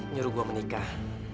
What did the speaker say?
nyuruh gue menikah